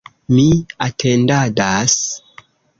Mi atendadas.